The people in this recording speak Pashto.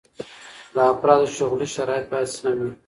د افرادو شغلي شرايط بايد سم وي.